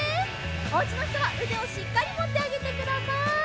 おうちのひとはうでをしっかりもってあげてください。